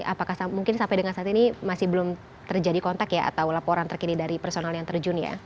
apakah mungkin sampai dengan saat ini masih belum terjadi kontak ya atau laporan terkini dari personal yang terjun ya